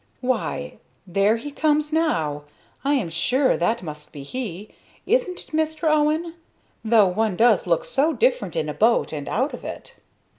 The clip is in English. "Why! There he comes now! I am sure that must be he; isn't it, Mr. Owen? Though one does look so different in a boat and out of it."